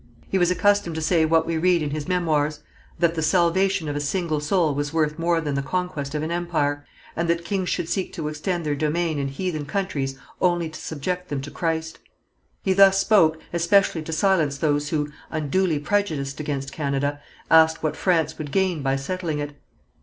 He was accustomed to say what we read in his memoirs, 'That the salvation of a single soul was worth more than the conquest of an empire, and that kings should seek to extend their domain in heathen countries only to subject them to Christ.' He thus spoke especially to silence those who, unduly prejudiced against Canada, asked what France would gain by settling it.